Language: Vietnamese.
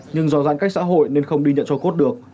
nhưng do giãn cách xã hội nên không đi nhận cho cốt được